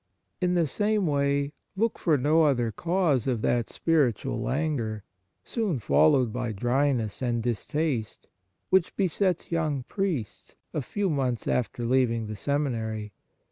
In the same way, look for no other cause of that spiritual languor, soon 112 Instructions and Reading followed by dryness and distaste, which besets young priests a few months after leaving the seminary.